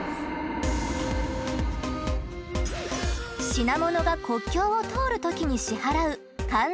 品物が国境を通るときに支払う「関税」。